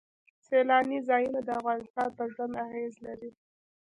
سیلاني ځایونه د افغانانو په ژوند اغېزې لري.